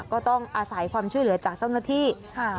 ก็ต้องอาศัยความช่วยเหลือจากเจ้าหน้าที่